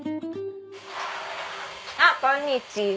あっこんにちは。